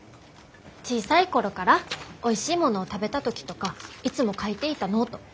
小さい頃からおいしいものを食べた時とかいつも書いていたノート。